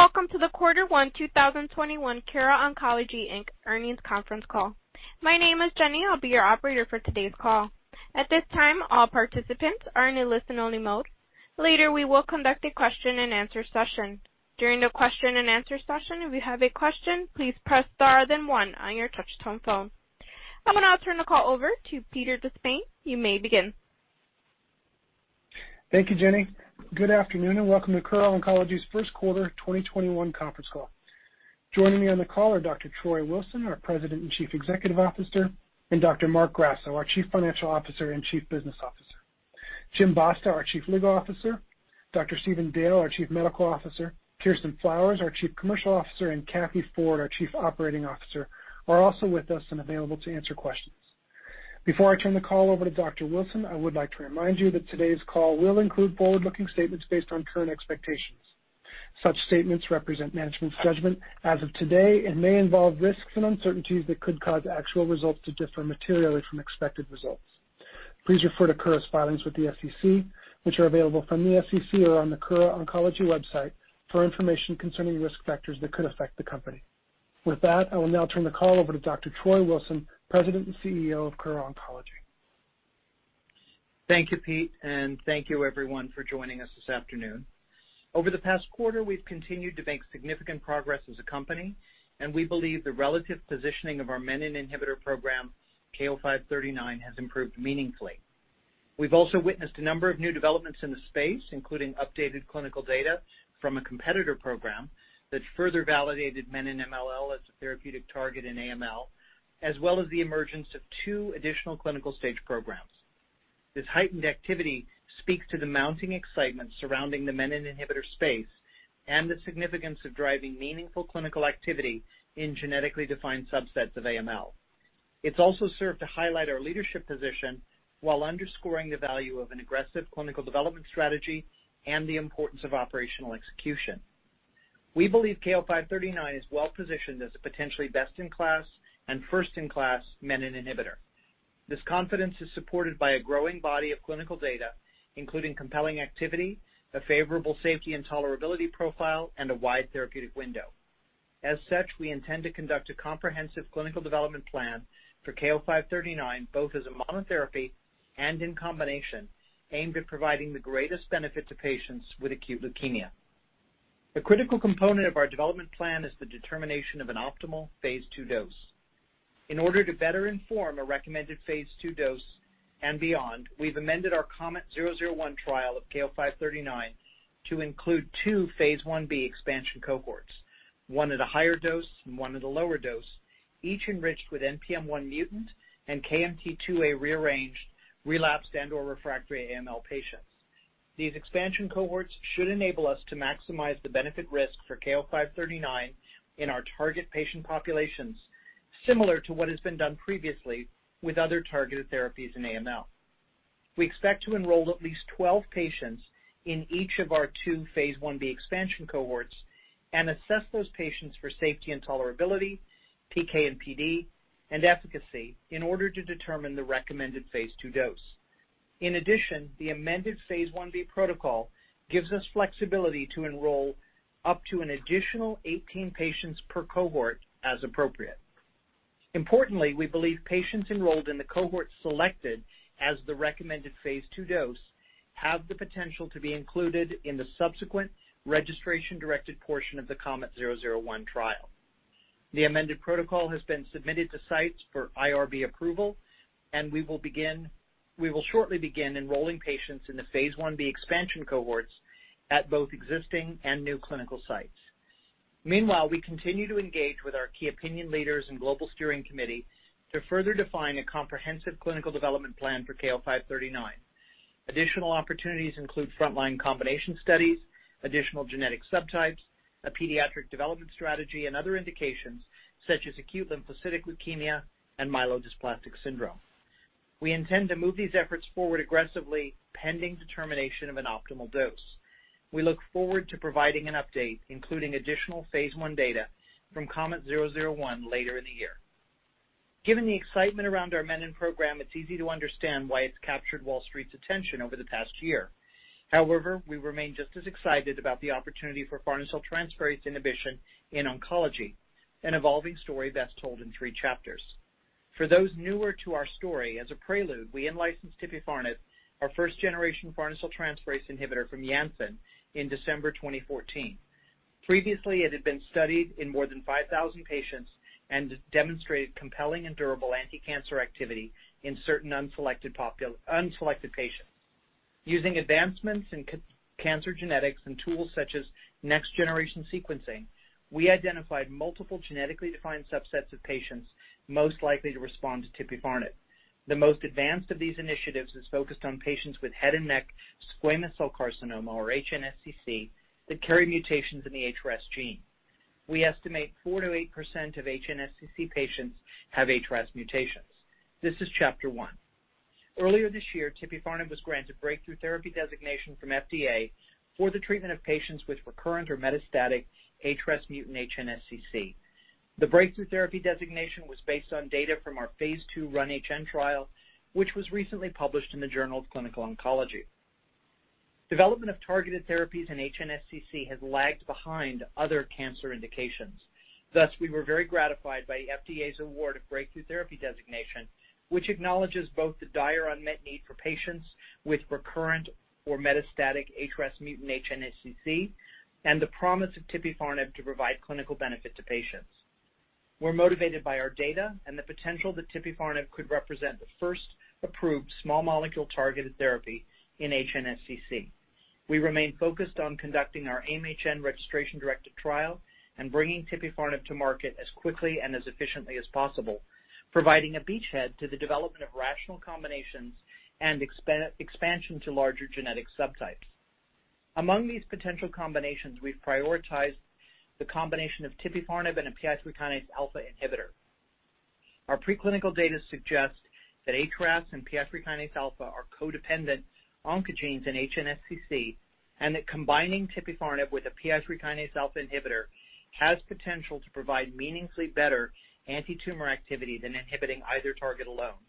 Welcome to the quarter one 2021 Kura Oncology, Inc. earnings conference call. My name is Jenny. I'll be your operator for today's call. At this time, all participants are in a listen-only mode. Later, we will conduct a question and answer session. During the question and answer session, if you have a question, please press star then one on your touch-tone phone. I will now turn the call over to Pete De Spain. You may begin. Thank you, Jenny. Good afternoon and welcome to Kura Oncology's first quarter 2021 conference call. Joining me on the call are Dr. Troy Wilson, our President and Chief Executive Officer, and Dr. Marc Grasso, our Chief Financial Officer and Chief Business Officer. James Basta, our Chief Legal Officer, Dr. Stephen Dale, our Chief Medical Officer, Kirsten Flowers, our Chief Commercial Officer, and Kathleen Ford, our Chief Operating Officer, are also with us and available to answer questions. Before I turn the call over to Dr. Wilson, I would like to remind you that today's call will include forward-looking statements based on current expectations. Such statements represent management's judgment as of today and may involve risks and uncertainties that could cause actual results to differ materially from expected results. Please refer to Kura's filings with the SEC, which are available from the SEC or on the Kura Oncology website for information concerning risk factors that could affect the company. With that, I will now turn the call over to Dr. Troy Wilson, President and CEO of Kura Oncology. Thank you, Pete, and thank you everyone for joining us this afternoon. Over the past quarter, we've continued to make significant progress as a company, and we believe the relative positioning of our menin inhibitor program, KO-539, has improved meaningfully. We've also witnessed a number of new developments in the space, including updated clinical data from a competitor program that further validated menin MLL as a therapeutic target in AML, as well as the emergence of two additional clinical stage programs. This heightened activity speaks to the mounting excitement surrounding the menin inhibitor space and the significance of driving meaningful clinical activity in genetically defined subsets of AML. It's also served to highlight our leadership position while underscoring the value of an aggressive clinical development strategy and the importance of operational execution. We believe KO-539 is well-positioned as a potentially best-in-class and first-in-class menin inhibitor. This confidence is supported by a growing body of clinical data, including compelling activity, a favorable safety and tolerability profile, and a wide therapeutic window. As such, we intend to conduct a comprehensive clinical development plan for KO-539, both as a monotherapy and in combination, aimed at providing the greatest benefit to patients with acute leukemia. A critical component of our development plan is the determination of an phase II dose. In order to better inform a phase II dose and beyond, we've amended our KOMET-001 trial of KO-539 to include two phase IB expansion cohorts, one at a higher dose and one at a lower dose, each enriched with NPM1 mutant and KMT2A rearranged relapsed and/or refractory AML patients. These expansion cohorts should enable us to maximize the benefit risk for KO-539 in our target patient populations, similar to what has been done previously with other targeted therapies in AML. We expect to enroll at least 12 patients in each of our two phase Ib expansion cohorts and assess those patients for safety and tolerability, PK and PD, and efficacy in order to determine the phase II dose. In addition, the amended phase IB protocol gives us flexibility to enroll up to an additional 18 patients per cohort as appropriate. Importantly, we believe patients enrolled in the cohort selected as the phase II dose have the potential to be included in the subsequent registration-directed portion of the KOMET-001 trial. The amended protocol has been submitted to sites for IRB approval, and we will shortly begin enrolling patients in the phase IB expansion cohorts at both existing and new clinical sites. Meanwhile, we continue to engage with our key opinion leaders and global steering committee to further define a comprehensive clinical development plan for KO-539. Additional opportunities include frontline combination studies, additional genetic subtypes, a pediatric development strategy, and other indications such as acute lymphocytic leukemia and myelodysplastic syndrome. We intend to move these efforts forward aggressively pending determination of an optimal dose. We look forward to providing an update, including additional phase I data from KOMET-001 later in the year. Given the excitement around our menin program, it's easy to understand why it's captured Wall Street's attention over the past year. We remain just as excited about the opportunity for farnesyltransferase inhibition in oncology, an evolving story best told in three chapters. For those newer to our story, as a prelude, we in-licensed tipifarnib, our first-generation farnesyltransferase inhibitor from Janssen in December 2014. Previously, it had been studied in more than 5,000 patients and demonstrated compelling and durable anti-cancer activity in certain unselected patients. Using advancements in cancer genetics and tools such as next-generation sequencing, we identified multiple genetically defined subsets of patients most likely to respond to tipifarnib. The most advanced of these initiatives is focused on patients with head and neck squamous cell carcinoma, or HNSCC, that carry mutations in the HRAS gene. We estimate 4%-8% of HNSCC patients have HRAS mutations. This is chapter one. Earlier this year, tipifarnib was granted breakthrough therapy designation from FDA for the treatment of patients with recurrent or metastatic HRAS mutant HNSCC. The breakthrough therapy designation was based on data from phase II RUN-HN trial, which was recently published in the Journal of Clinical Oncology. Development of targeted therapies in HNSCC has lagged behind other cancer indications. Thus, we were very gratified by FDA's award of breakthrough therapy designation, which acknowledges both the dire unmet need for patients with recurrent or metastatic HRAS mutant HNSCC and the promise of tipifarnib to provide clinical benefit to patients. We're motivated by our data and the potential that tipifarnib could represent the first approved small molecule-targeted therapy in HNSCC. We remain focused on conducting our AIM-HN registration-directed trial and bringing tipifarnib to market as quickly and as efficiently as possible, providing a beachhead to the development of rational combinations and expansion to larger genetic subtypes. Among these potential combinations, we've prioritized the combination of tipifarnib and a PI3 kinase alpha inhibitor. Our preclinical data suggest that HRAS and PI3 kinase alpha are codependent oncogenes in HNSCC, and that combining tipifarnib with a PI3 kinase alpha inhibitor has potential to provide meaningfully better antitumor activity than inhibiting either target alone.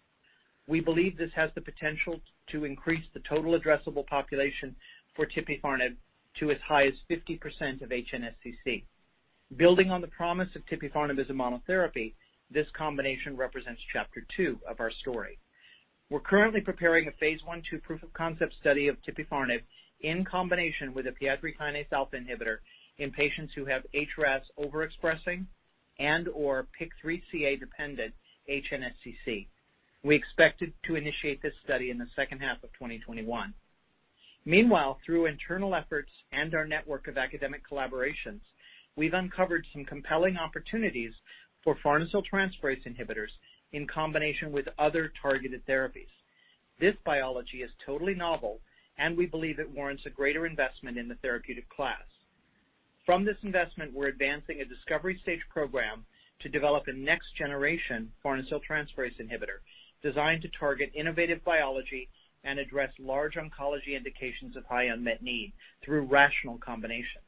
We believe this has the potential to increase the total addressable population for tipifarnib to as high as 50% of HNSCC. Building on the promise of tipifarnib as a monotherapy, this combination represents chapter two of our story. We're currently preparing a phase I/II proof-of-concept study of tipifarnib in combination with a PI3Kα inhibitor in patients who have HRAS overexpressing and/or PIK3CA-dependent HNSCC. We expect to initiate this study in the second half of 2021. Meanwhile, through internal efforts and our network of academic collaborations, we've uncovered some compelling opportunities for farnesyltransferase inhibitors in combination with other targeted therapies. This biology is totally novel. We believe it warrants a greater investment in the therapeutic class. From this investment, we're advancing a discovery stage program to develop a next-generation farnesyltransferase inhibitor designed to target innovative biology and address large oncology indications of high unmet need through rational combinations.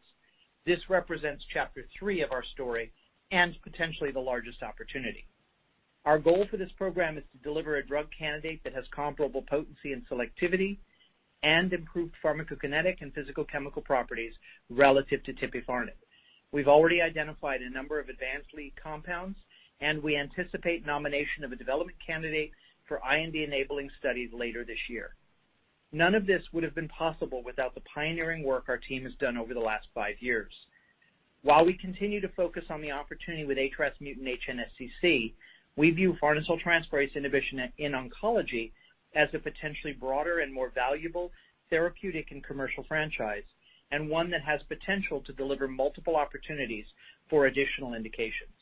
This represents chapter three of our story and potentially the largest opportunity. Our goal for this program is to deliver a drug candidate that has comparable potency and selectivity and improved pharmacokinetic and physicochemical properties relative to tipifarnib. We've already identified a number of advanced lead compounds. We anticipate nomination of a development candidate for IND-enabling studies later this year. None of this would've been possible without the pioneering work our team has done over the last five years. While we continue to focus on the opportunity with HRAS mutant HNSCC, we view farnesyltransferase inhibition in oncology as a potentially broader and more valuable therapeutic and commercial franchise, and one that has potential to deliver multiple opportunities for additional indications.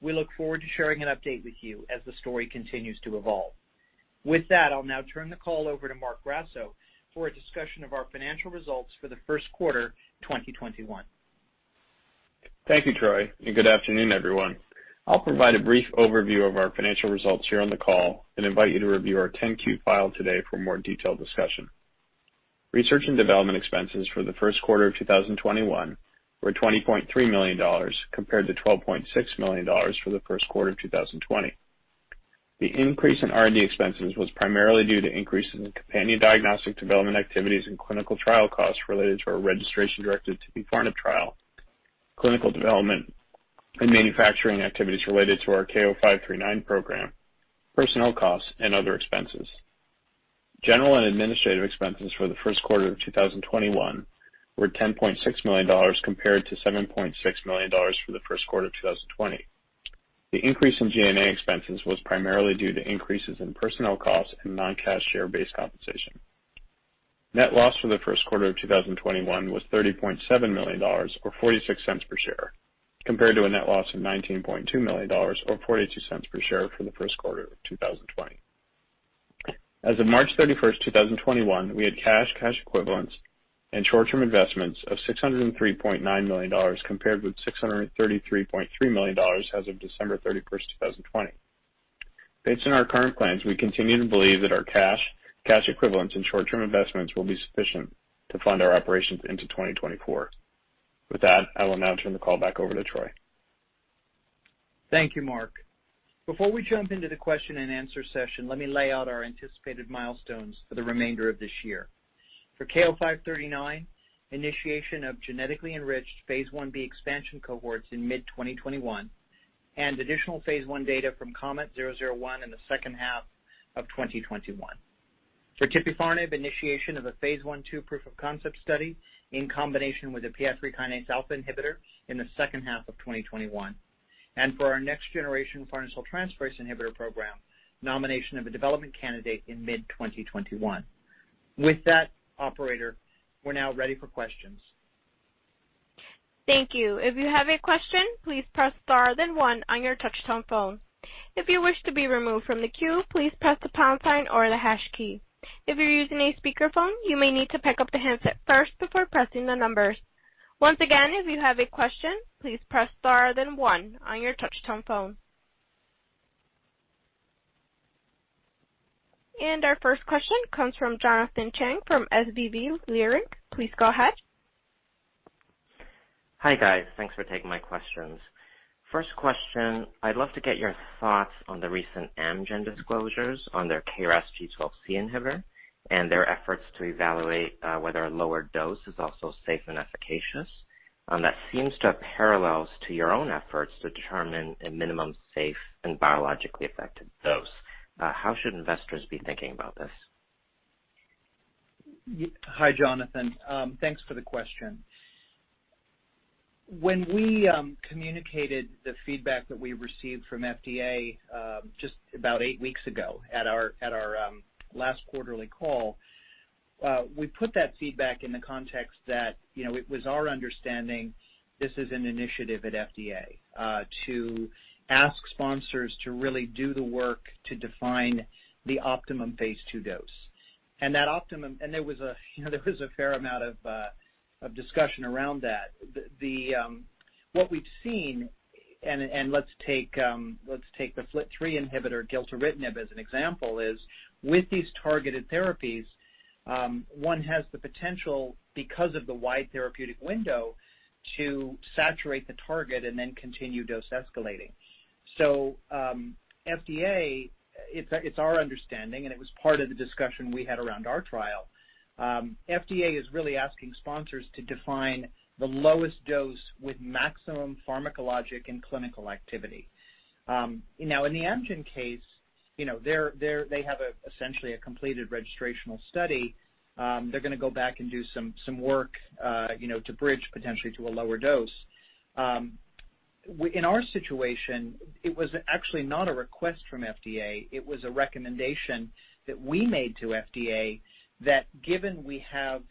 We look forward to sharing an update with you as the story continues to evolve. With that, I'll now turn the call over to Marc Grasso for a discussion of our financial results for the first quarter 2021. Thank you, Troy, and good afternoon, everyone. I'll provide a brief overview of our financial results here on the call and invite you to review our 10-Q file today for more detailed discussion. Research and development expenses for the first quarter of 2021 were $20.3 million, compared to $12.6 million for the first quarter of 2020. The increase in R&D expenses was primarily due to increases in companion diagnostic development activities and clinical trial costs related to our registration-directed tipifarnib trial, clinical development and manufacturing activities related to our KO-539 program, personnel costs, and other expenses. General and administrative expenses for the first quarter of 2021 were $10.6 million, compared to $7.6 million for the first quarter of 2020. The increase in G&A expenses was primarily due to increases in personnel costs and non-cash share-based compensation. Net loss for the first quarter of 2021 was $30.7 million, or $0.46 per share, compared to a net loss of $19.2 million or $0.42 per share for the first quarter of 2020. As of March 31st, 2021, we had cash equivalents, and short-term investments of $603.9 million, compared with $633.3 million as of December 31st, 2020. Based on our current plans, we continue to believe that our cash equivalents, and short-term investments will be sufficient to fund our operations into 2024. With that, I will now turn the call back over to Troy. Thank you, Marc. Before we jump into the question and answer session, let me lay out our anticipated milestones for the remainder of this year. For KO-539, initiation of genetically enriched phase IB expansion cohorts in mid-2021 and additional phase I data from KOMET-001 in the second half of 2021. For tipifarnib, initiation of a phase I/II proof-of-concept study in combination with a PI3Kα inhibitor in the second half of 2021. For our next-generation farnesyltransferase inhibitor program, nomination of a development candidate in mid-2021. With that, operator, we're now ready for questions. Our first question comes from Jonathan Chang from SVB Leerink. Please go ahead. Hi, guys. Thanks for taking my questions. First question, I'd love to get your thoughts on the recent Amgen disclosures on their KRAS G12C inhibitor and their efforts to evaluate whether a lower dose is also safe and efficacious. That seems to have parallels to your own efforts to determine a minimum safe and biologically effective dose. How should investors be thinking about this? Hi, Jonathan. Thanks for the question. When we communicated the feedback that we received from FDA just about eight weeks ago at our last quarterly call, we put that feedback in the context that it was our understanding this is an initiative at FDA to ask sponsors to really do the work to define the phase II dose. There was a fair amount of discussion around that. What we've seen, and let's take the FLT3 inhibitor, gilteritinib, as an example, is with these targeted therapies, one has the potential, because of the wide therapeutic window, to saturate the target and then continue dose escalating. FDA, it's our understanding, and it was part of the discussion we had around our trial, FDA is really asking sponsors to define the lowest dose with maximum pharmacologic and clinical activity. In the Amgen case, they have essentially a completed registrational study. They're going to go back and do some work to bridge potentially to a lower dose. In our situation, it was actually not a request from FDA. It was a recommendation that we made to FDA that given we have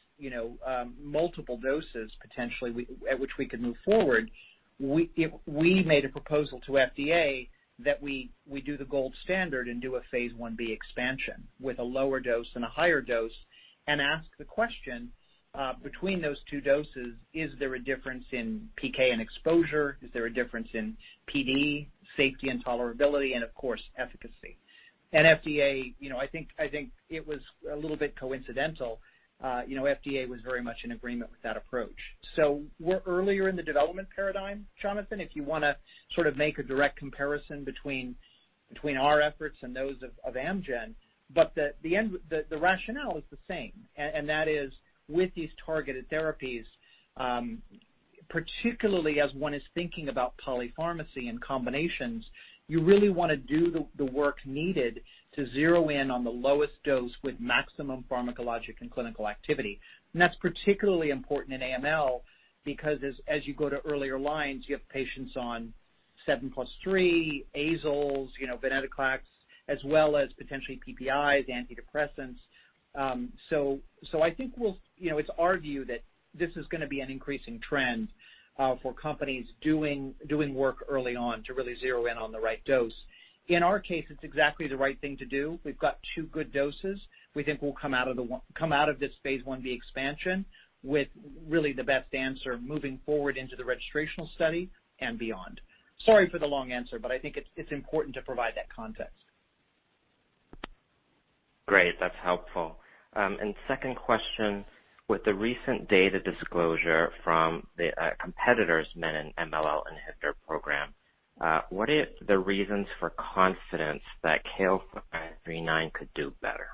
multiple doses potentially at which we could move forward, we made a proposal to FDA that we do the gold standard and do a phase IB expansion with a lower dose and a higher dose and ask the question, between those two doses, is there a difference in PK and exposure? Is there a difference in PD, safety, and tolerability? Of course, efficacy. I think it was a little bit coincidental FDA was very much in agreement with that approach. We're earlier in the development paradigm, Jonathan, if you want to sort of make a direct comparison between our efforts and those of Amgen. The rationale is the same, and that is with these targeted therapies, particularly as one is thinking about polypharmacy and combinations, you really want to do the work needed to zero in on the lowest dose with maximum pharmacologic and clinical activity. That's particularly important in AML because as you go to earlier lines, you have patients on 7+3, azoles, venetoclax, as well as potentially PPIs, antidepressants. I think it's our view that this is going to be an increasing trend for companies doing work early on to really zero in on the right dose. In our case, it's exactly the right thing to do. We've got two good doses. We think we'll come out of this phase IB expansion with really the best answer moving forward into the registrational study and beyond. Sorry for the long answer, I think it's important to provide that context. Great. That's helpful. Second question, with the recent data disclosure from the competitor's menin-MLL inhibitor program, what are the reasons for confidence that KO-539 could do better?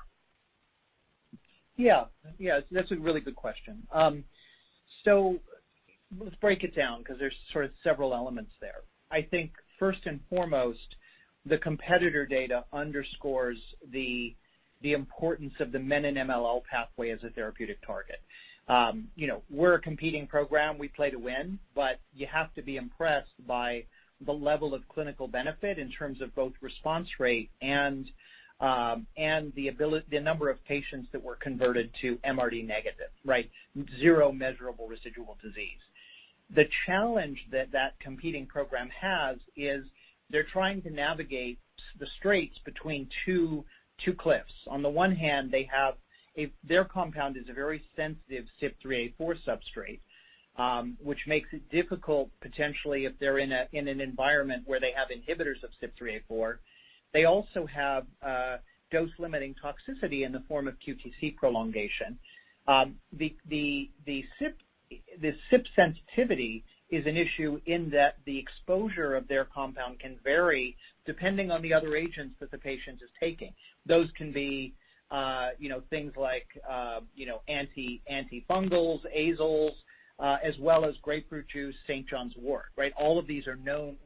That's a really good question. Let's break it down because there's sort of several elements there. I think first and foremost, the competitor data underscores the importance of the menin-MLL pathway as a therapeutic target. We're a competing program. We play to win, but you have to be impressed by the level of clinical benefit in terms of both response rate and the number of patients that were converted to MRD negative, right? Zero measurable residual disease. The challenge that that competing program has is they're trying to navigate the straits between two cliffs. On the one hand, their compound is a very sensitive CYP3A4 substrate, which makes it difficult potentially if they're in an environment where they have inhibitors of CYP3A4. They also have dose-limiting toxicity in the form of QTc prolongation. The CYP sensitivity is an issue in that the exposure of their compound can vary depending on the other agents that the patient is taking. Those can be things like antifungals, azoles, as well as grapefruit juice, St. John's wort, right? All of these are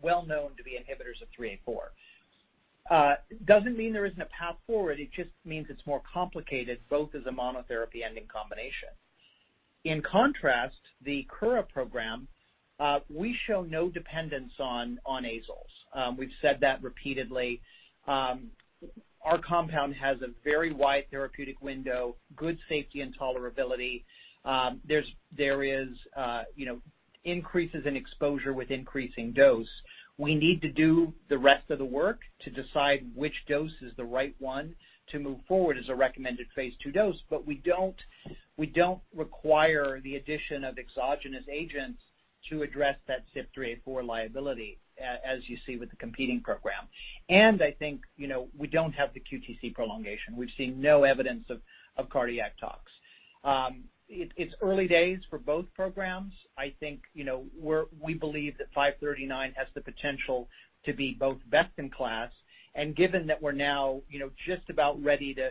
well known to be inhibitors of 3A4. It doesn't mean there isn't a path forward, it just means it's more complicated, both as a monotherapy and in combination. In contrast, the Kura program, we show no dependence on azoles. We've said that repeatedly. Our compound has a very wide therapeutic window, good safety, and tolerability. There is increases in exposure with increasing dose. We need to do the rest of the work to decide which dose is the right one to move forward as a phase II dose. We don't require the addition of exogenous agents to address that CYP3A4 liability, as you see with the competing program. I think we don't have the QTc prolongation. We've seen no evidence of cardiac tox. It's early days for both programs. I think we believe that 539 has the potential to be both best in class, and given that we're now just about ready to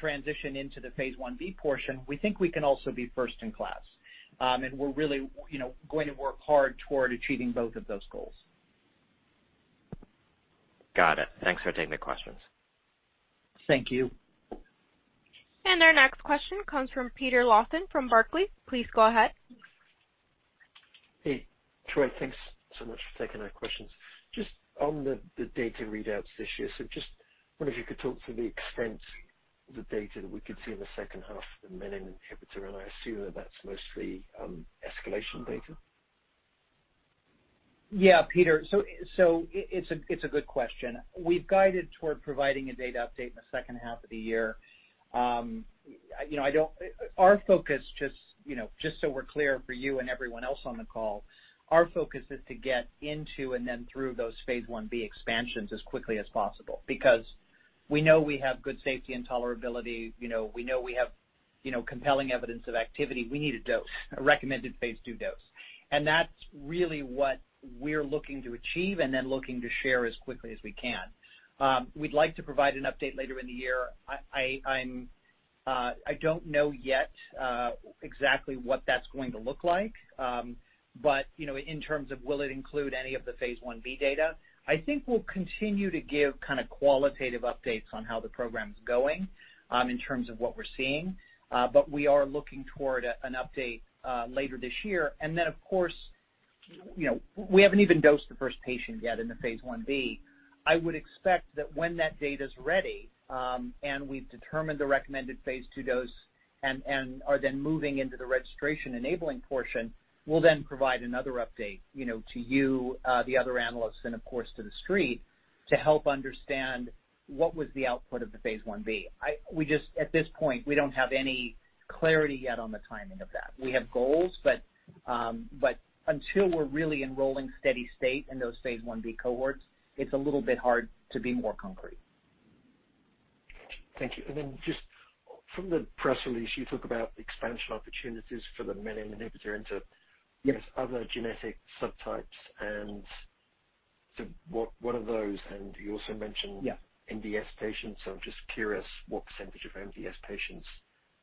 transition into the phase IB portion, we think we can also be first in class. We're really going to work hard toward achieving both of those goals. Got it. Thanks for taking the questions. Thank you. Our next question comes from Peter Lawson from Barclays. Please go ahead. Hey, Troy. Thanks so much for taking our questions. Just on the data readouts this year, just wonder if you could talk to the extent of the data that we could see in the second half of the menin inhibitor. I assume that that's mostly escalation data. Yeah, Peter. It's a good question. We've guided toward providing a data update in the second half of the year. Our focus, just so we're clear for you and everyone else on the call, our focus is to get into and then through those phase IB expansions as quickly as possible, because we know we have good safety and tolerability. We know we have compelling evidence of activity. We need a dose, a phase II dose. That's really what we're looking to achieve and then looking to share as quickly as we can. We'd like to provide an update later in the year. I don't know yet exactly what that's going to look like. In terms of will it include any of the phase IB data, I think we'll continue to give qualitative updates on how the program's going, in terms of what we're seeing. We are looking toward an update later this year. Of course, we haven't even dosed the first patient yet in the phase IB. I would expect that when that data's ready, and we've determined the phase II dose and are then moving into the registration-enabling portion, we'll then provide another update to you, the other analysts, and of course to the street to help understand what was the output of the phase IB. At this point, we don't have any clarity yet on the timing of that. We have goals, but until we're really enrolling steady state in those phase IB cohorts, it's a little bit hard to be more concrete. Thank you. Just from the press release, you talk about expansion opportunities for the menin inhibitor into. Yes. Other genetic subtypes, what are those? Yeah. MDS patients, I'm just curious what percentage of MDS patients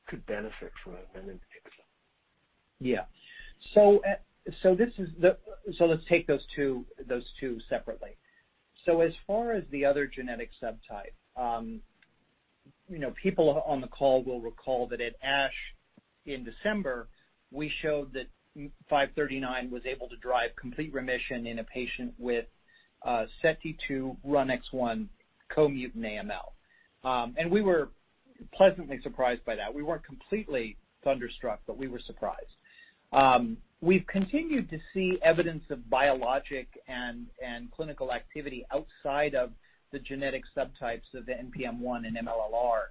could benefit from a menin inhibitor. Yeah. Let's take those two separately. As far as the other genetic subtype, people on the call will recall that at ASH in December, we showed that KO-539 was able to drive complete remission in a patient with CEBPA RUNX1 co-mutant AML. We were pleasantly surprised by that. We weren't completely thunderstruck, but we were surprised. We've continued to see evidence of biologic and clinical activity outside of the genetic subtypes of the NPM1 and MLL-R.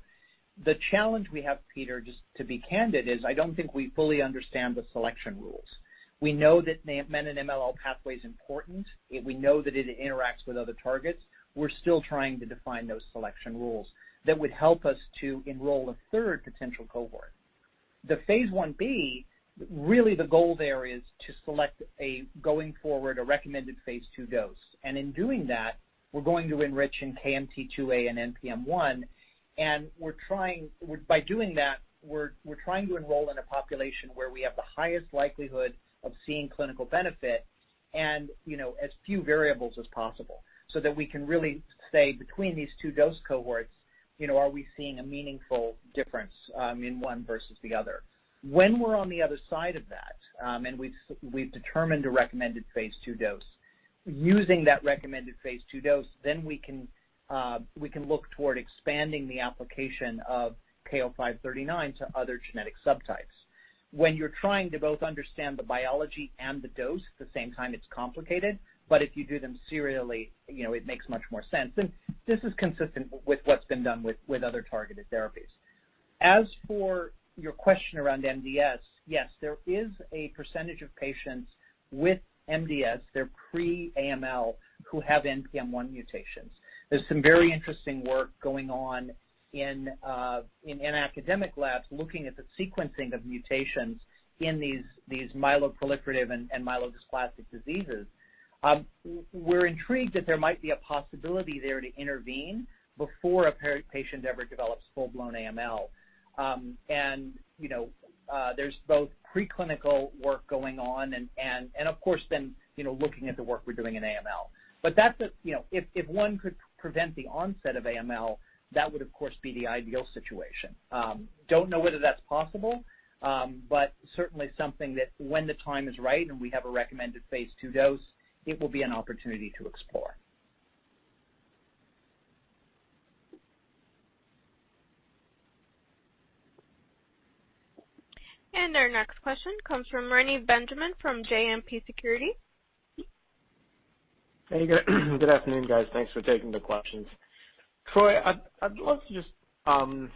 The challenge we have, Peter, just to be candid, is I don't think we fully understand the selection rules. We know that menin and MLL pathway's important. We know that it interacts with other targets. We're still trying to define those selection rules that would help us to enroll a third potential cohort. The phase IB, really the goal there is to select, going forward, a phase II dose. In doing that, we're going to enrich in KMT2A and NPM1. By doing that, we're trying to enroll in a population where we have the highest likelihood of seeing clinical benefit and as few variables as possible, so that we can really say between these two dose cohorts, are we seeing a meaningful difference in one versus the other? When we're on the other side of that, we've determined a phase II dose. Using that phase II dose, we can look toward expanding the application of KO-539 to other genetic subtypes. When you're trying to both understand the biology and the dose at the same time, it's complicated. If you do them serially, it makes much more sense. This is consistent with what's been done with other targeted therapies. As for your question around MDS, yes, there is a percentage of patients with MDS, they're pre-AML, who have NPM1 mutations. There's some very interesting work going on in academic labs looking at the sequencing of mutations in these myeloproliferative and myelodysplastic diseases. We're intrigued that there might be a possibility there to intervene before a patient ever develops full-blown AML. There's both preclinical work going on and, of course then, looking at the work we're doing in AML. If one could prevent the onset of AML, that would of course be the ideal situation. Don't know whether that's possible, but certainly something that when the time is right and we have a phase II dose, it will be an opportunity to explore. Our next question comes from Reni Benjamin from JMP Securities. Hey, good afternoon, guys. Thanks for taking the questions. Troy, I'd love to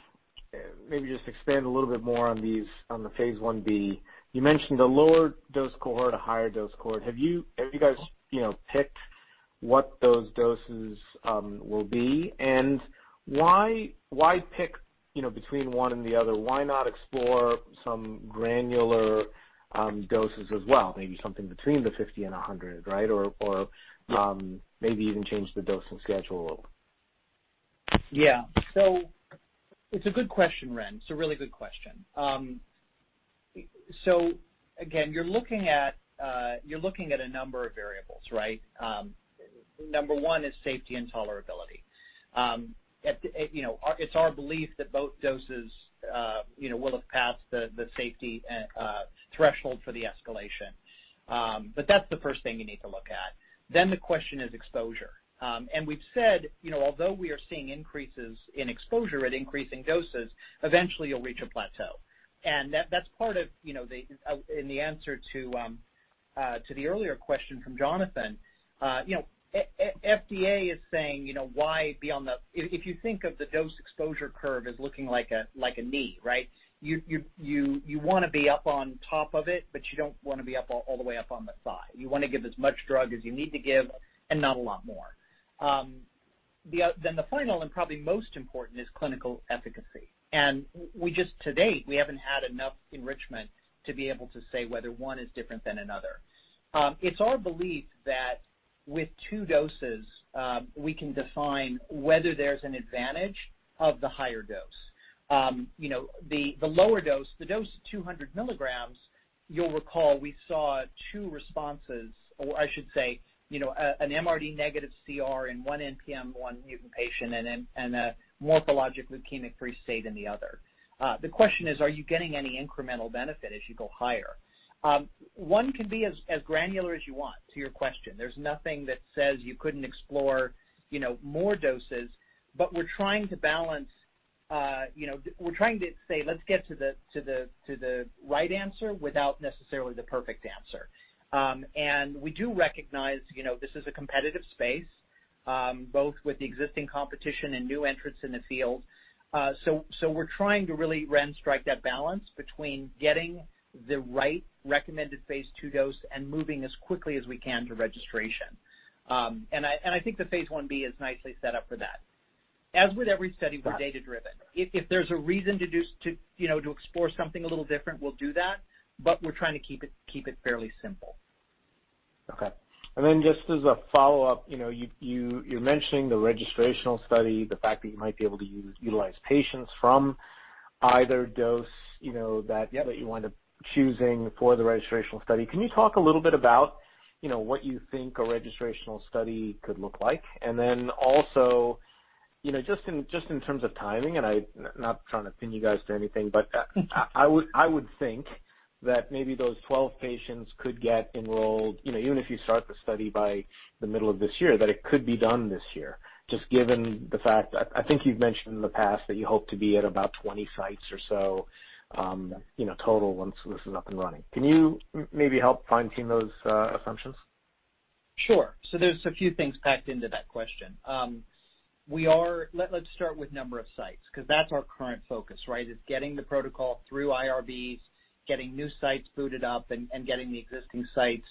maybe just expand a little bit more on the phase IB. You mentioned a lower dose cohort, a higher dose cohort. Have you guys picked what those doses will be, and why pick between one and the other? Why not explore some granular doses as well? Maybe something between the 50 and 100, right? Maybe even change the dosing schedule. Yeah. It's a good question, Ren. It's a really good question. Again, you're looking at a number of variables, right? Number 1 is safety and tolerability. It's our belief that both doses will have passed the safety threshold for the escalation. That's the first thing you need to look at. The question is exposure. We've said, although we are seeing increases in exposure at increasing doses, eventually you'll reach a plateau. That's part of the answer to the earlier question from Jonathan. FDA is saying, why be on the, if you think of the dose exposure curve as looking like a knee, right? You want to be up on top of it, but you don't want to be all the way up on the thigh. You want to give as much drug as you need to give and not a lot more. The final, probably most important, is clinical efficacy. We just, to date, we haven't had enough enrichment to be able to say whether one is different than another. It's our belief that with two doses, we can define whether there's an advantage of the higher dose. The lower dose, the dose of 200 mg, you'll recall we saw two responses, or I should say, an MRD negative CR in one NPM1 mutant patient and a morphologic leukemia-free state in the other. The question is, are you getting any incremental benefit as you go higher? One can be as granular as you want to your question. There's nothing that says you couldn't explore more doses, we're trying to say, let's get to the right answer without necessarily the perfect answer. We do recognize this is a competitive space, both with the existing competition and new entrants in the field. We're trying to really, Ren, strike that balance between getting the right phase II dose and moving as quickly as we can to registration. I think the phase IB is nicely set up for that. As with every study, we're data-driven. If there's a reason to explore something a little different, we'll do that, but we're trying to keep it fairly simple. Okay. Just as a follow-up, you're mentioning the registrational study, the fact that you might be able to utilize patients from either dose that. Yeah. that you wind up choosing for the registrational study. Can you talk a little bit about what you think a registrational study could look like? Also, just in terms of timing, I'm not trying to pin you guys to anything, but I would think that maybe those 12 patients could get enrolled, even if you start the study by the middle of this year, that it could be done this year, just given the fact, I think you've mentioned in the past that you hope to be at about 20 sites or so total once this is up and running. Can you maybe help fine-tune those assumptions? Sure. There's a few things packed into that question. Let's start with number of sites, because that's our current focus, right? Is getting the protocol through IRBs, getting new sites booted up, and getting the existing sites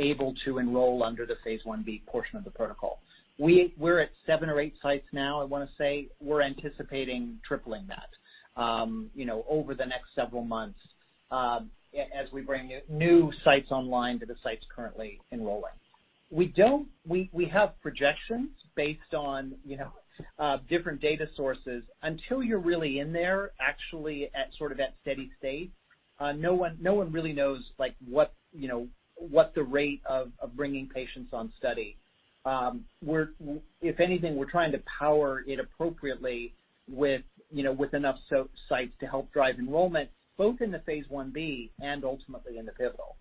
able to enroll under the phase IB portion of the protocol. We're at seven or eight sites now, I want to say. We're anticipating tripling that over the next several months as we bring new sites online to the sites currently enrolling. We have projections based on different data sources. Until you're really in there, actually at steady state, no one really knows what the rate of bringing patients on study. If anything, we're trying to power it appropriately with enough sites to help drive enrollment, both in the phase IB and ultimately in the pivotal.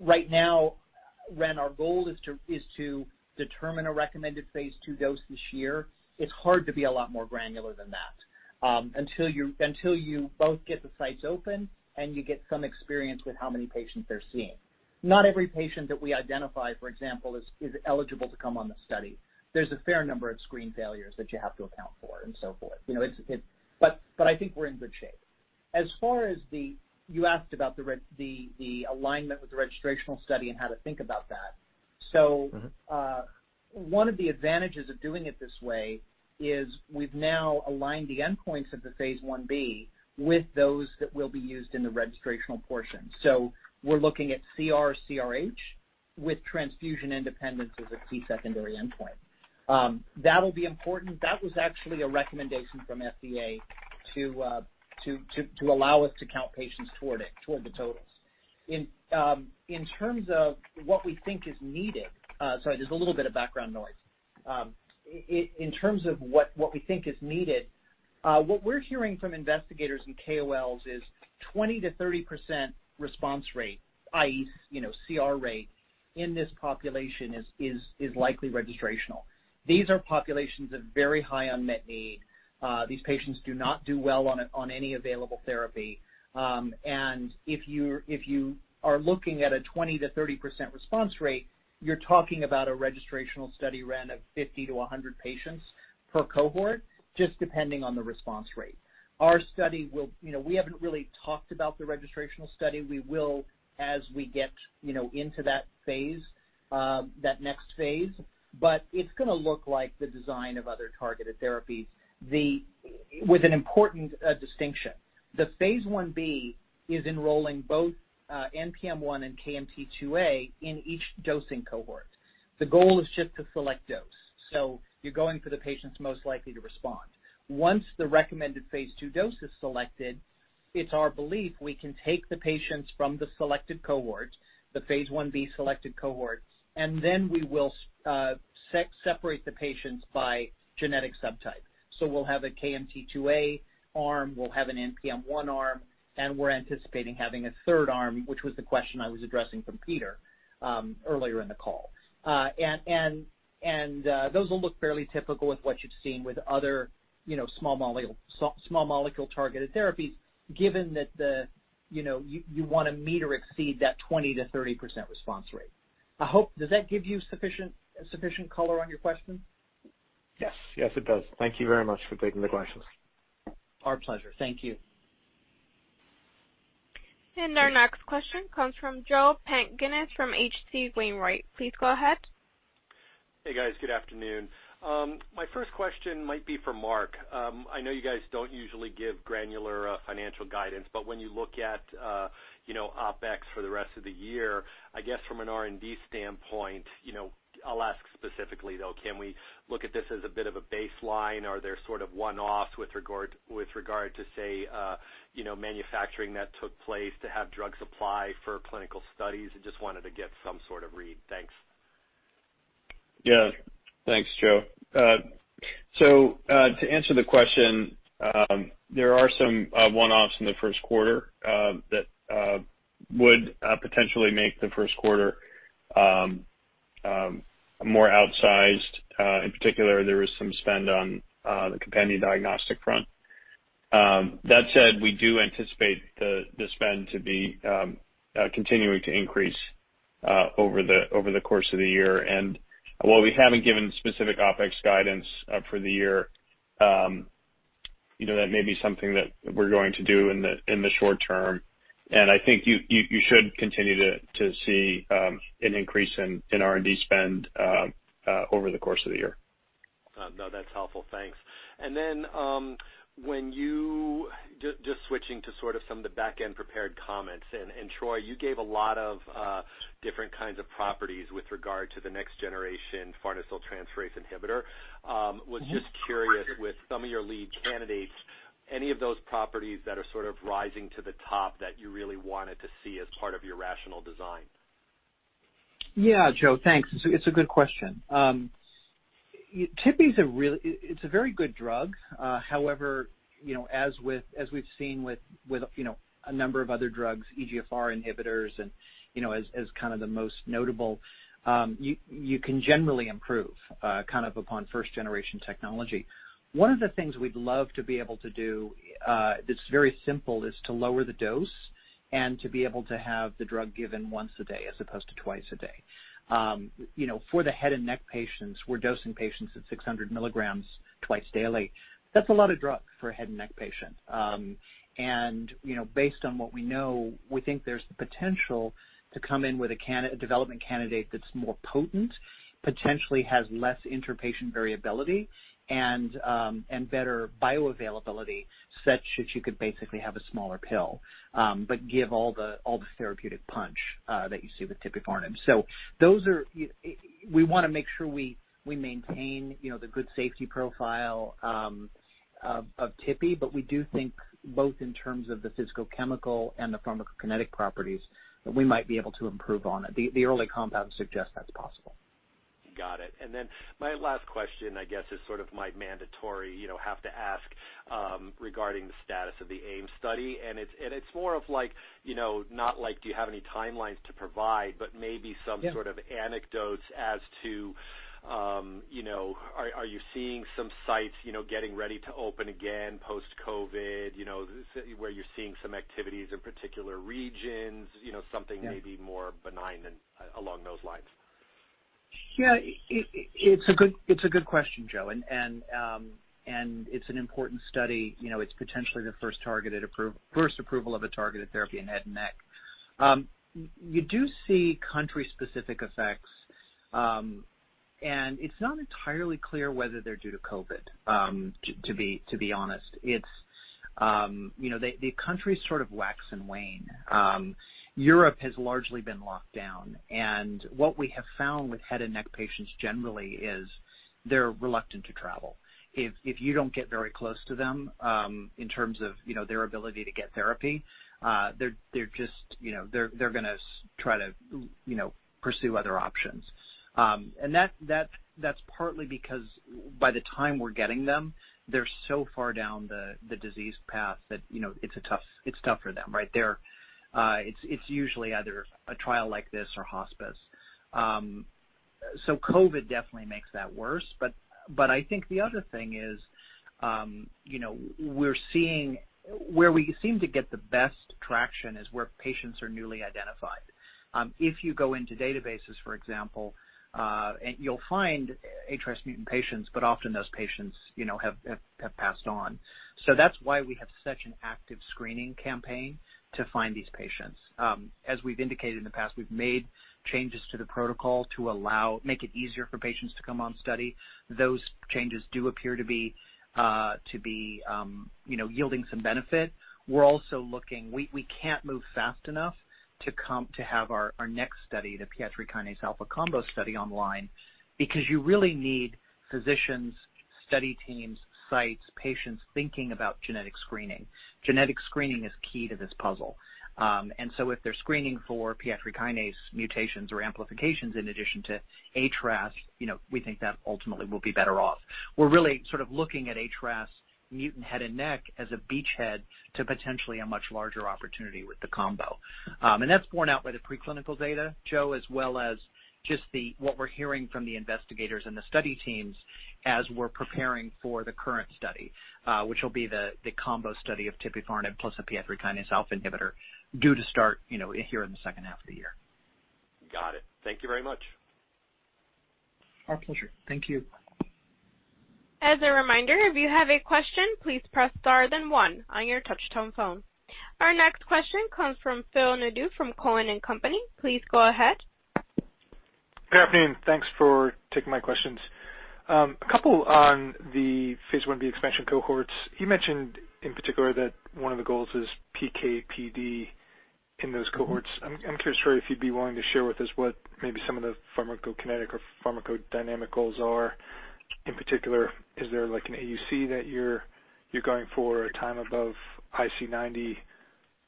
Right now, Ren, our goal is to determine a phase II dose this year. It's hard to be a lot more granular than that until you both get the sites open and you get some experience with how many patients they're seeing. Not every patient that we identify, for example, is eligible to come on the study. There's a fair number of screen failures that you have to account for, and so forth. I think we're in good shape. You asked about the alignment with the registrational study and how to think about that. One of the advantages of doing it this way is we've now aligned the endpoints of the phase IB with those that will be used in the registrational portion. We're looking at CR, CRh with transfusion independence as a key secondary endpoint. That'll be important. That was actually a recommendation from FDA to allow us to count patients toward the totals. In terms of what we think is needed-- Sorry, there's a little bit of background noise. In terms of what we think is needed, what we're hearing from investigators and KOLs is 20%-30% response rate, i.e., CR rate in this population is likely registrational. These are populations of very high unmet need. These patients do not do well on any available therapy. If you are looking at a 20%-30% response rate, you're talking about a registrational study, Ren, of 50-100 patients per cohort, just depending on the response rate. We haven't really talked about the registrational study. We will as we get into that next phase, but it's going to look like the design of other targeted therapies. With an important distinction. The phase IB is enrolling both NPM1 and KMT2A in each dosing cohort. The goal is just to select dose, so you're going for the patients most likely to respond. Once the phase II dose is selected, it's our belief we can take the patients from the selected cohort, the phase IB selected cohort, and then we will separate the patients by genetic subtype. We'll have a KMT2A arm, we'll have an NPM1 arm, and we're anticipating having a third arm, which was the question I was addressing from Peter earlier in the call. Those will look fairly typical with what you've seen with other small molecule targeted therapies, given that you want to meet or exceed that 20%-30% response rate. Does that give you sufficient color on your question? Yes, it does. Thank you very much for taking the questions. Our pleasure. Thank you. Our next question comes from Joseph Pantginis from H.C. Wainwright. Please go ahead. Hey, guys. Good afternoon. My first question might be for Marc. I know you guys don't usually give granular financial guidance, but when you look at OpEx for the rest of the year, I guess from an R&D standpoint, I'll ask specifically though, can we look at this as a bit of a baseline? Are there sort of one-offs with regard to, say, manufacturing that took place to have drug supply for clinical studies? I just wanted to get some sort of read. Thanks. Yeah. Thanks, Joe. To answer the question, there are some one-offs in the first quarter that would potentially make the first quarter more outsized. In particular, there was some spend on the companion diagnostic front. That said, we do anticipate the spend to be continuing to increase over the course of the year. While we haven't given specific OpEx guidance for the year, that may be something that we're going to do in the short term. I think you should continue to see an increase in R&D spend over the course of the year. No, that's helpful. Thanks. Just switching to sort of some of the back-end prepared comments, Troy, you gave a lot of different kinds of properties with regard to the next generation farnesyltransferase inhibitor. I was just curious with some of your lead candidates, any of those properties that are sort of rising to the top that you really wanted to see as part of your rational design? Joe, thanks. It's a good question. Tipi's a very good drug. However, as we've seen with a number of other drugs, EGFR inhibitors as kind of the most notable, you can generally improve upon first generation technology. One of the things we'd love to be able to do that's very simple is to lower the dose and to be able to have the drug given once a day as opposed to twice a day. For the head and neck patients, we're dosing patients at 600 mg twice daily. That's a lot of drug for a head and neck patient. Based on what we know, we think there's the potential to come in with a development candidate that's more potent, potentially has less inter-patient variability, and better bioavailability such that you could basically have a smaller pill. Give all the therapeutic punch that you see with tipifarnib. We want to make sure we maintain the good safety profile of Tipi, but we do think both in terms of the physicochemical and the pharmacokinetic properties, that we might be able to improve on it. The early compounds suggest that's possible. Got it. My last question, I guess, is sort of my mandatory have to ask regarding the status of the AIM study. It's more of not like, do you have any timelines to provide? Yeah. sort of anecdotes as to are you seeing some sites getting ready to open again post-COVID, where you're seeing some activities in particular regions, something maybe more benign and along those lines? Yeah. It's a good question, Joe. It's an important study. It's potentially the first approval of a targeted therapy in head and neck. You do see country-specific effects, and it's not entirely clear whether they're due to COVID, to be honest. The countries sort of wax and wane. Europe has largely been locked down, and what we have found with head and neck patients generally is they're reluctant to travel. If you don't get very close to them in terms of their ability to get therapy, they're going to try to pursue other options. That's partly because by the time we're getting them, they're so far down the disease path that it's tough for them. It's usually either a trial like this or hospice. COVID definitely makes that worse, but I think the other thing is where we seem to get the best traction is where patients are newly identified. If you go into databases, for example, you'll find HRAS mutant patients, but often those patients have passed on. That's why we have such an active screening campaign to find these patients. As we've indicated in the past, we've made changes to the protocol to make it easier for patients to come on study. Those changes do appear to be yielding some benefit. We can't move fast enough to have our next study, the PI3Kα combo study online, because you really need physicians, study teams, sites, patients thinking about genetic screening. Genetic screening is key to this puzzle. If they're screening for PI3K mutations or amplifications in addition to HRAS, we think that ultimately we'll be better off. We're really looking at HRAS mutant head and neck as a beachhead to potentially a much larger opportunity with the combo. That's borne out by the pre-clinical data, Joe, as well as just what we're hearing from the investigators and the study teams as we're preparing for the current study, which will be the combo study of tipifarnib plus a PI3 kinase alpha inhibitor due to start here in the second half of the year. Got it. Thank you very much. Our pleasure. Thank you. Our next question comes from Phil Nadeau from Cowen and Company. Please go ahead. Good afternoon. Thanks for taking my questions. A couple on the phase IB expansion cohorts. You mentioned in particular that one of the goals is PK/PD in those cohorts. I'm curious if you'd be willing to share with us what maybe some of the pharmacokinetic or pharmacodynamical are. In particular, is there like an AUC that you're going for a time above IC90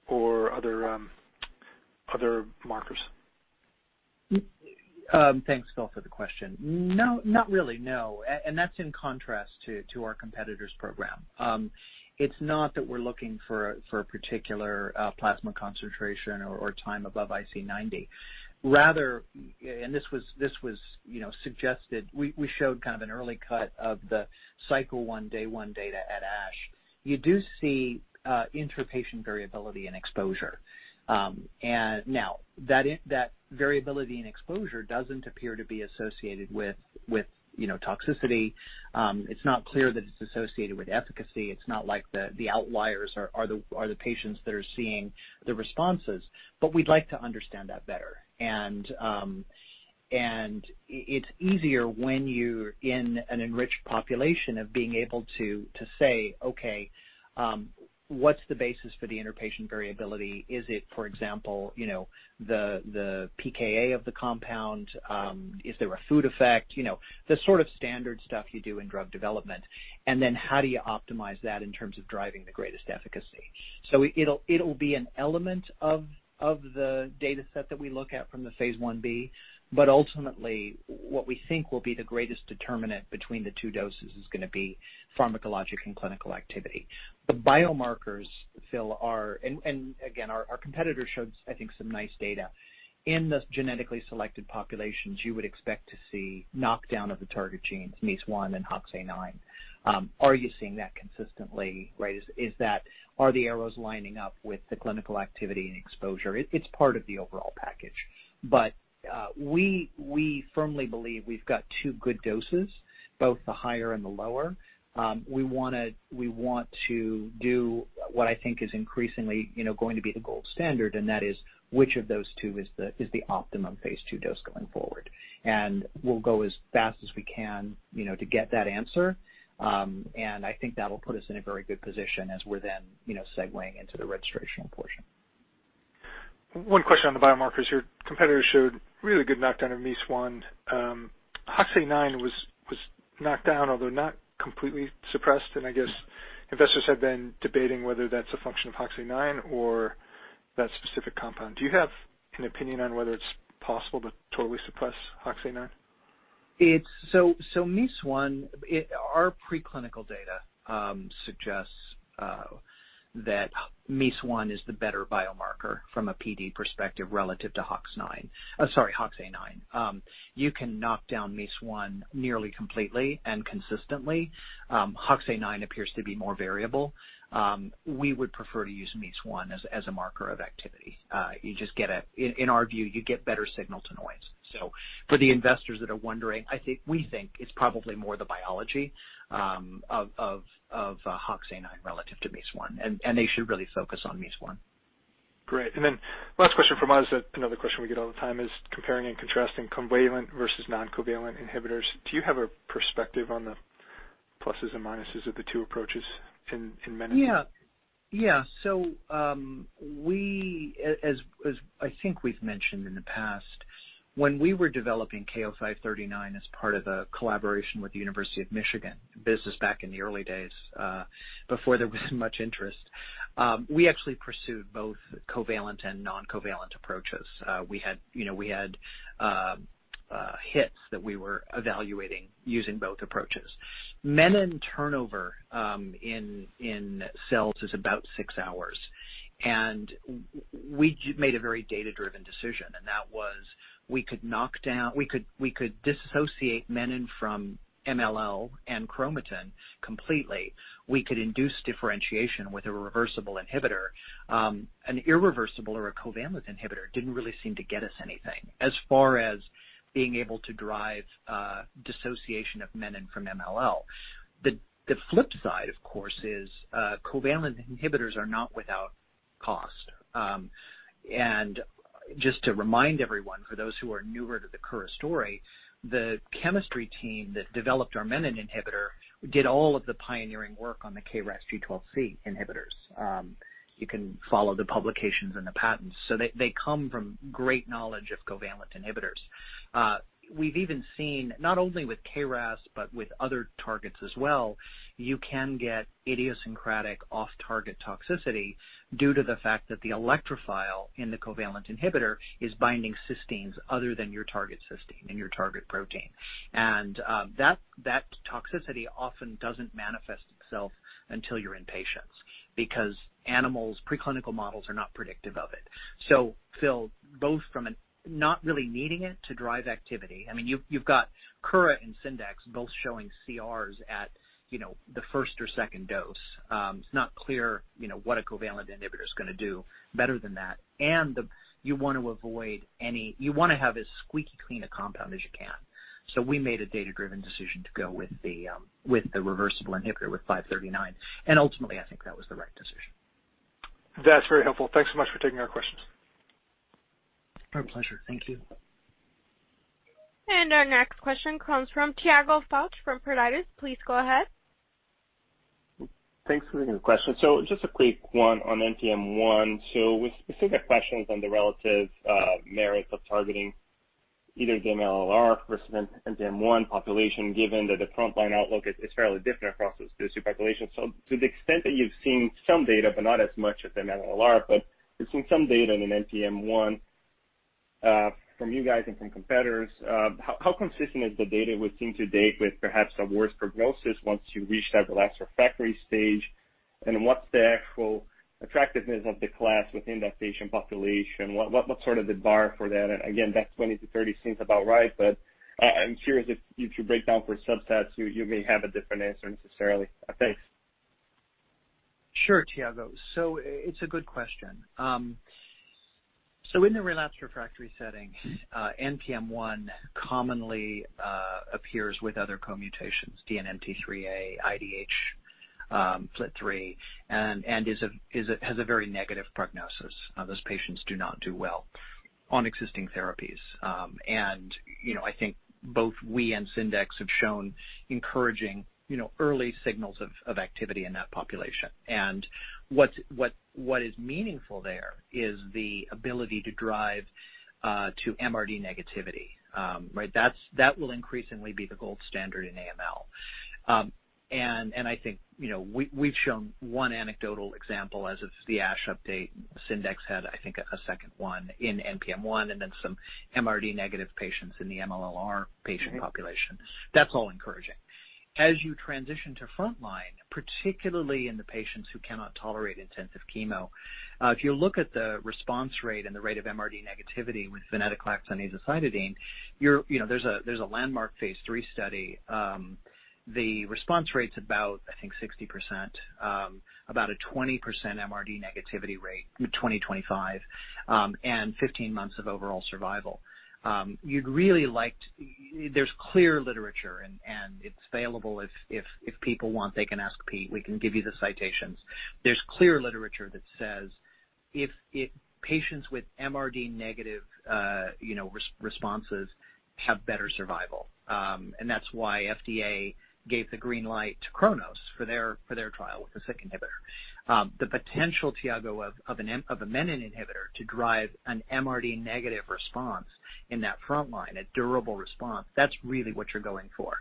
or other markers? Thanks, Phil, for the question. Not really, no. That's in contrast to our competitor's program. It's not that we're looking for a particular plasma concentration or time above IC90. Rather, this was suggested, we showed kind of an early cut of the cycle 1, day 1 data at ASH. You do see inter-patient variability in exposure. Now, that variability in exposure doesn't appear to be associated with toxicity. It's not clear that it's associated with efficacy. It's not like the outliers are the patients that are seeing the responses. We'd like to understand that better. It's easier when you're in an enriched population of being able to say, okay, what's the basis for the inter-patient variability? Is it, for example, the pKa of the compound? Is there a food effect? The sort of standard stuff you do in drug development. How do you optimize that in terms of driving the greatest efficacy? It'll be an element of the data set that we look at from the phase IB, but ultimately, what we think will be the greatest determinant between the two doses is going to be pharmacologic and clinical activity. The biomarkers, Phil, are, and again, our competitor showed, I think, some nice data. In the genetically selected populations, you would expect to see knockdown of the target genes, MEIS1 and HOXA9. Are you seeing that consistently, right? Are the arrows lining up with the clinical activity and exposure? It's part of the overall package. We firmly believe we've got two good doses, both the higher and the lower. We want to do what I think is increasingly going to be the gold standard, that is which of those two is the phase II dose going forward. We'll go as fast as we can to get that answer, and I think that'll put us in a very good position as we're then segueing into the registration portion. One question on the biomarkers. Your competitors showed really good knockdown of MEIS1. HOXA9 was knocked down, although not completely suppressed, and I guess investors have been debating whether that's a function of HOXA9 or that specific compound. Do you have an opinion on whether it's possible to totally suppress HOXA9? MEIS1, our pre-clinical data suggests that MEIS1 is the better biomarker from a PD perspective relative to HOXA9. Sorry, HOXA9. You can knock down MEIS1 nearly completely and consistently. HOXA9 appears to be more variable. We would prefer to use MEIS1 as a marker of activity. In our view, you get better signal to noise. For the investors that are wondering, we think it's probably more the biology of HOXA9 relative to MEIS1, and they should really focus on MEIS1. Great. Last question from us, another question we get all the time is comparing and contrasting covalent versus non-covalent inhibitors. Do you have a perspective on the pluses and minuses of the two approaches in Menin? Yeah. I think we've mentioned in the past, when we were developing KO-539 as part of a collaboration with the University of Michigan, this is back in the early days before there was much interest. We actually pursued both covalent and non-covalent approaches. We had hits that we were evaluating using both approaches. Menin turnover in cells is about six hours, and we made a very data-driven decision, and that was we could dissociate Menin from MLL and chromatin completely. We could induce differentiation with a reversible inhibitor. An irreversible or a covalent inhibitor didn't really seem to get us anything as far as being able to drive dissociation of Menin from MLL. The flip side, of course, is covalent inhibitors are not without cost. Just to remind everyone, for those who are newer to the Kura story, the chemistry team that developed our menin inhibitor did all of the pioneering work on the KRAS G12C inhibitors. You can follow the publications and the patents. They come from great knowledge of covalent inhibitors. We've even seen, not only with KRAS, but with other targets as well, you can get idiosyncratic off-target toxicity due to the fact that the electrophile in the covalent inhibitor is binding cysteines other than your target cysteine in your target protein. That toxicity often doesn't manifest itself until you're in patients, because animals, preclinical models, are not predictive of it. Phil, both from not really needing it to drive activity, you've got Kura and Syndax both showing CRs at the first or second dose. It's not clear what a covalent inhibitor's going to do better than that. You want to have as squeaky clean a compound as you can. We made a data-driven decision to go with the reversible inhibitor, with 539. Ultimately, I think that was the right decision. That's very helpful. Thanks so much for taking our questions. My pleasure. Thank you. Our next question comes from Tiago Fauth from Peritus. Please go ahead. Thanks for taking the question. Just a quick one on NPM1. With specific questions on the relative merits of targeting either MLL-R versus NPM1 population, given that the frontline outlook is fairly different across those two populations. To the extent that you've seen some data, but not as much as MLL-R, but we've seen some data in NPM1 from you guys and from competitors. How consistent is the data we've seen to date with perhaps a worse prognosis once you reach that relapsed refractory stage? What's the actual attractiveness of the class within that patient population? What's sort of the bar for that? Again, that 20-30 seems about right, but I'm curious if you could break down for subsets, you may have a different answer necessarily. Thanks. Sure, Tiago. It's a good question. In the relapsed refractory setting, NPM1 commonly appears with other co-mutations, DNMT3A, IDH, FLT3, and has a very negative prognosis. Those patients do not do well on existing therapies. I think both we and Syndax have shown encouraging early signals of activity in that population. What is meaningful there is the ability to drive to MRD negativity, right? That will increasingly be the gold standard in AML. I think we've shown one anecdotal example as of the ASH update. Syndax had, I think, a second one in NPM1, and then some MRD negative patients in the MLL-R patient population. That's all encouraging. As you transition to frontline, particularly in the patients who cannot tolerate intensive chemo, if you look at the response rate and the rate of MRD negativity with venetoclax and azacitidine, there's a phase III study. The response rate's about, I think, 60%, about a 20% MRD negativity rate with 2025, and 15 months of overall survival. There's clear literature, and it's available if people want, they can ask Pete, we can give you the citations. There's clear literature that says patients with MRD negative responses have better survival. That's why FDA gave the green light to Kronos for their trial with the SYK inhibitor. The potential, Tiago, of a menin inhibitor to drive an MRD negative response in that frontline, a durable response, that's really what you're going for.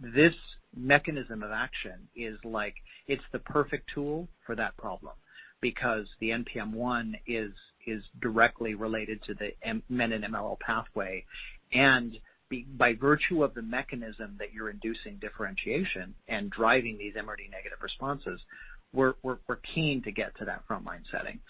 This mechanism of action is the perfect tool for that problem, because the NPM1 is directly related to the menin MLL pathway, and by virtue of the mechanism that you're inducing differentiation and driving these MRD negative responses, we're keen to get to that frontline setting.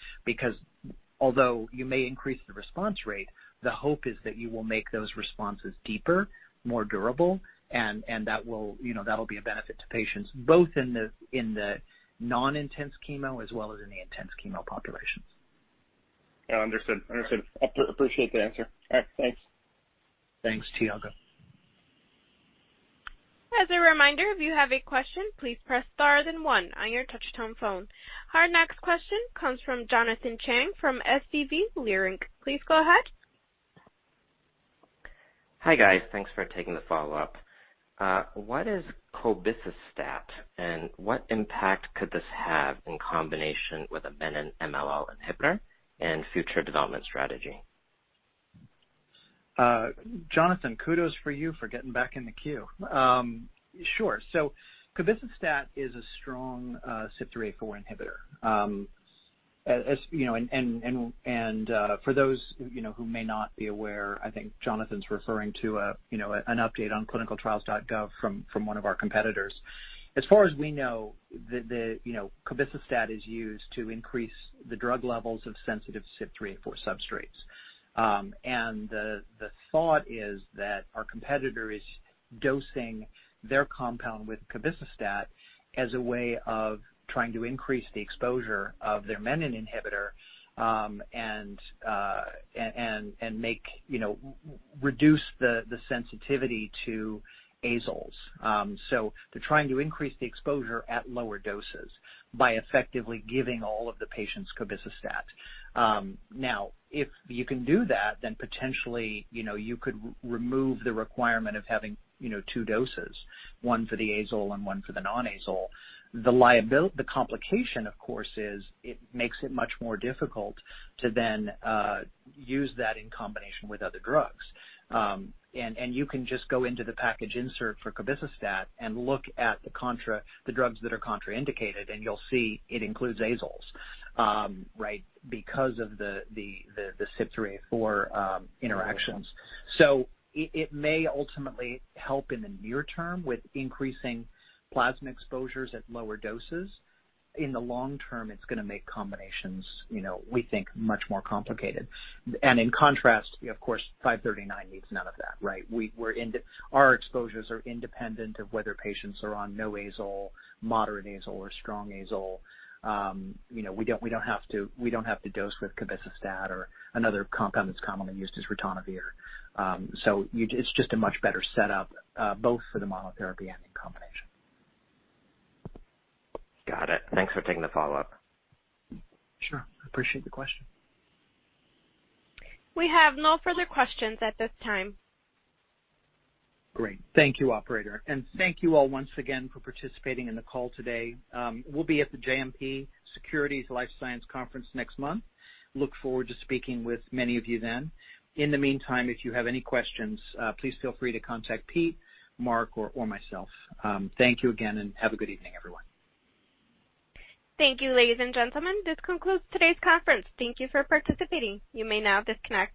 Although you may increase the response rate, the hope is that you will make those responses deeper, more durable, and that'll be a benefit to patients, both in the non-intense chemo as well as in the intense chemo populations. Yeah, understood. Appreciate the answer. All right, thanks. Thanks, Tiago. As a reminder, if you have a question, please press star then one on your touch-tone phone. Our next question comes from Jonathan Chang from SVB Leerink. Please go ahead. Hi, guys. Thanks for taking the follow-up. What is cobicistat, and what impact could this have in combination with a menin MLL inhibitor and future development strategy? Jonathan, kudos for you for getting back in the queue. Sure. Cobicistat is a strong CYP3A4 inhibitor. For those who may not be aware, I think Jonathan's referring to an update on clinicaltrials.gov from one of our competitors. As far as we know, the cobicistat is used to increase the drug levels of sensitive CYP3A4 substrates. The thought is that our competitor is dosing their compound with cobicistat as a way of trying to increase the exposure of their menin inhibitor and reduce the sensitivity to azoles. They're trying to increase the exposure at lower doses by effectively giving all of the patients cobicistat. If you can do that, then potentially, you could remove the requirement of having two doses, one for the azole and one for the non-azole. The complication, of course, is it makes it much more difficult to then use that in combination with other drugs. You can just go into the package insert for cobicistat and look at the drugs that are contraindicated, and you'll see it includes azoles, because of the CYP3A4 interactions. It may ultimately help in the near term with increasing plasma exposures at lower doses. In the long term, it's going to make combinations, we think, much more complicated. In contrast, of course, 539 needs none of that, right? Our exposures are independent of whether patients are on no azole, moderate azole, or strong azole. We don't have to dose with cobicistat or another compound that's commonly used is ritonavir. It's just a much better setup both for the monotherapy and in combination. Got it. Thanks for taking the follow-up. Sure. Appreciate the question. We have no further questions at this time. Great. Thank you, operator. Thank you all once again for participating in the call today. We'll be at the JMP Securities Life Sciences Conference next month. Look forward to speaking with many of you then. In the meantime, if you have any questions, please feel free to contact Pete De Spain, Marc Grasso, or myself. Thank you again, and have a good evening, everyone. Thank you, ladies and gentlemen. This concludes today's conference. Thank you for participating. You may now disconnect.